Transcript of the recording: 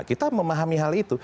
kita memahami hal itu